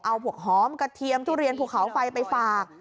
เอาพวกหอมกระเทียมทุเรียนภูเขาไฟไปฝาก